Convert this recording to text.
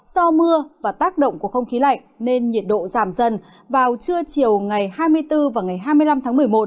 do mưa và tác động của không khí lạnh nên nhiệt độ giảm dần vào trưa chiều ngày hai mươi bốn và ngày hai mươi năm tháng một mươi một